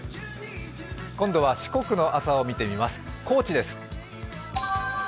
今度は四国の朝を見てみます、高知です。